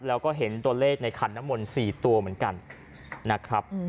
แล้วก็เห็นตัวเลขในขันน้ำมนต์๔ตัวเหมือนกันนะครับ